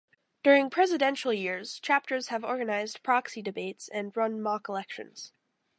During presidential years, chapters have organized proxy debates and run mock elections.